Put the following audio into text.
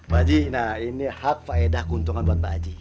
baji nah ini hak faedah keuntungan buat pak haji